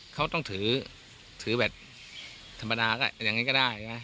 เขาต้องถือแบบธรรมดาอย่างนี้ก็ได้